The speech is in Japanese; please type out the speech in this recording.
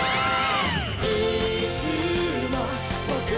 イエイ！